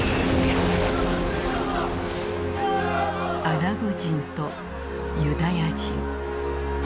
アラブ人とユダヤ人。